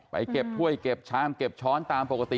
เก็บถ้วยเก็บชามเก็บช้อนตามปกติ